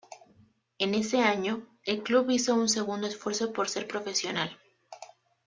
En ese año, El club hizo un segundo esfuerzo por ser profesional.